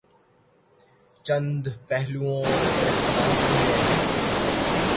چند پہلوئوں پر اختلاف بھی ہے۔